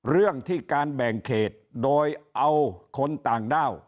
เรื่องที่การแบ่งเขตโดยเอาคนต่างด้าว